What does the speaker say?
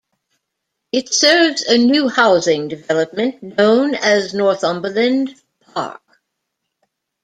It serves a new housing development known as Northumberland Park.